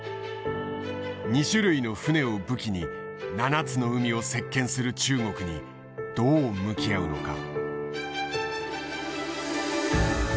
２種類の船を武器に７つの海を席けんする中国にどう向き合うのか。